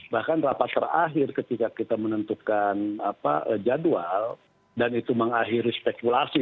bahkan rapat terakhir ketika kita menentukan jadwal dan itu mengakhiri spekulasi